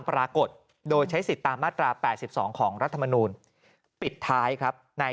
ปรากฏโดยใช้สิทธิ์ตามมาตรา๘๒ของรัฐมนูลปิดท้ายครับใน